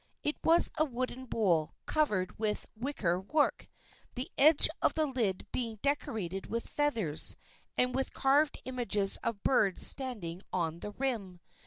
It was a wooden bowl, covered with wicker work, the edge of the lid being decorated with feathers, and with carved images of birds standing on the rim.